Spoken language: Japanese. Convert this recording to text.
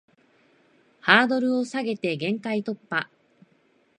ハードルを下げて限界突破